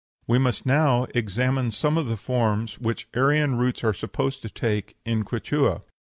We must now examine some of the forms which Aryan roots are supposed to take in Quichua.